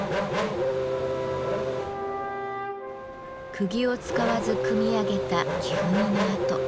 くぎを使わず組み上げた木組みの跡。